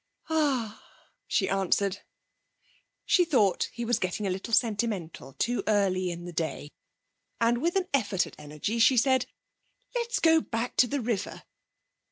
'Ah!' she answered. She thought he was getting a little sentimental, too early in the day, and, with an effort at energy, she said: 'Let's go back to the river.'